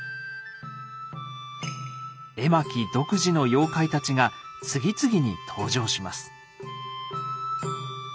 絵巻独自の妖怪たちが次々に登場します。